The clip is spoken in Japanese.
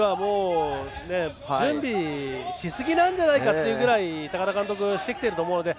その辺りは準備しすぎなんじゃないかというぐらい高田監督はしてきているので。